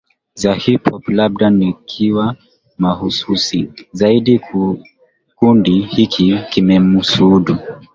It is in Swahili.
za hip hop Labda nikiwa mahususi zaidi kikundi hiki kilimuhusudu